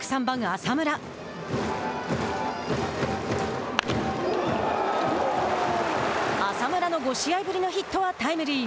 浅村の５試合ぶりのヒットはタイムリー。